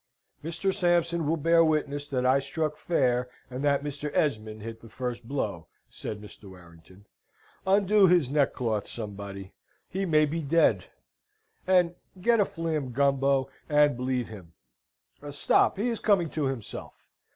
"Mr. Sampson will bear witness that I struck fair, and that Mr. Esmond hit the first blow," said Mr. Warrington. "Undo his neckcloth, somebody he may be dead; and get a fleam, Gumbo, and bleed him. Stop! He is coming to himself!